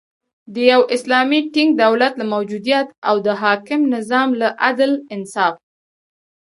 د یو اسلامی ټینګ دولت له موجودیت او د حاکم نظام له عدل، انصاف